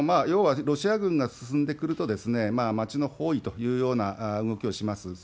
要はロシア軍が進んでくると、街の包囲というような動きをします。